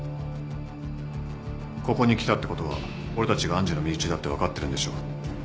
ここに来たってことは俺たちが愛珠の身内だって分かってるんでしょう？